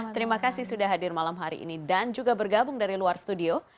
terima kasih sudah hadir malam hari ini dan juga bergabung dari luar studio